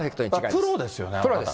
プロですよね。